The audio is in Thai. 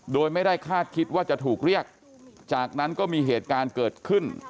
โดยไม่ได้คาดคิดว่าจะถูกเรียกจากนั้นก็มีเหตุการณ์เกิดขึ้น